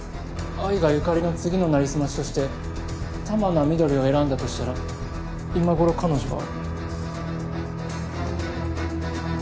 アイがユカリの次のなりすましとして玉名翠を選んだとしたら今頃彼女は。